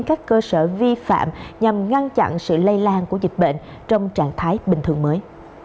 các cơ sở vi phạm nhằm ngăn chặn sự lây lan của dịch bệnh trong trạng thái bình thường mới